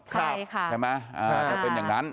ใช่ค่ะ